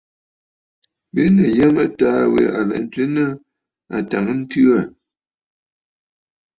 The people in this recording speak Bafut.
Bìꞌinə̀ yə mə taa aɨ lɛ ntswe nɨ àtàŋəntɨɨ aà.